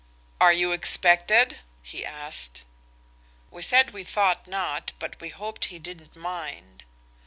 "Are you expected?" he asked. We said we thought not, but we hoped he didn't mind.